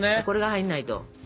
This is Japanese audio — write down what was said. これが入んないと。